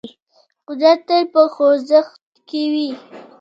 قدرت تل په خوځښت کې وي.